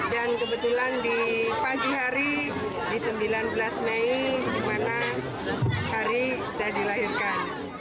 dan kebetulan di pagi hari di sembilan belas mei di mana hari saya dilahirkan